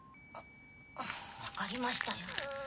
分かりましたよ。